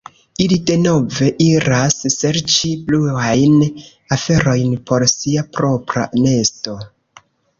Ili denove iras serĉi bluajn aferojn por sia propra nesto.